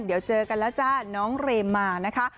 เดี๋ยวเจอกันแล้วจ้าน้องเรมมานะคะ